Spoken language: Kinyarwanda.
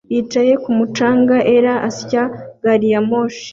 Yicaye kumu canga er asya gariyamoshi